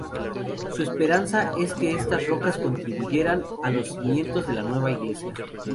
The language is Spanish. Su esperanza es que estas rocas contribuyeran a los cimientos de la nueva iglesia.